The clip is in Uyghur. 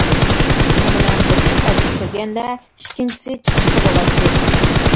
شۇنىڭ بىلەن بىرسى قايتىپ كىرگەندە ئىككىنچىسى چىقىشقا بولاتتى.